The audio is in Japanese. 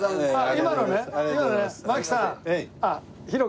今のね？